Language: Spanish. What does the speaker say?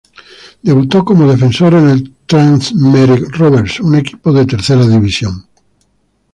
Debutó como defensor en el Tranmere Rovers, un equipo de tercera división.